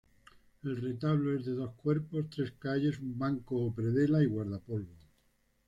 El retablo es de dos cuerpos, tres calles, un banco o predela y guardapolvo.